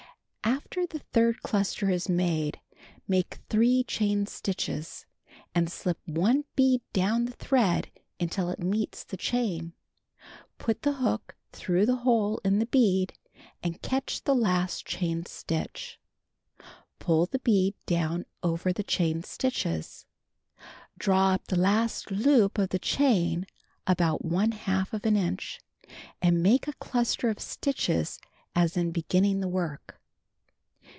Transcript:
After the third cluster is made, make 3 chain stitches, and slip 1 bead down the thread until it meets the chain. Put the hook through the hole in the bead, and catch the last chain stitch. Pull the bead down over the chain stitches. Draw up the last loop of the chain about | inch, and make a cluster of stitches as in beginning the work.